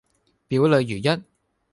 表裏如一